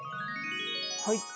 はい。